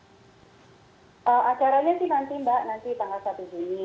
acaranya sih nanti mbak nanti tanggal satu juni